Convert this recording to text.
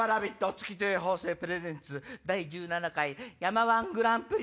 月亭方正プレゼンツ第１７回山−１グランプリ。